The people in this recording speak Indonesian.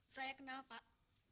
saya kenal pak